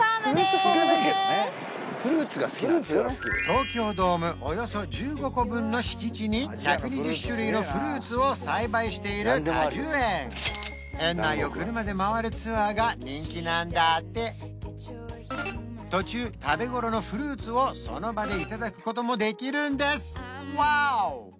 東京ドームおよそ１５個分の敷地に１２０種類のフルーツを栽培している果樹園園内を車で回るツアーが人気なんだって途中食べ頃のフルーツをその場でいただくこともできるんですワオ！